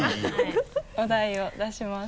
お題を出します。